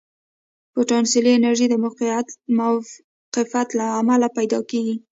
پوتانسیلي انرژي د موقف له امله پیدا کېږي.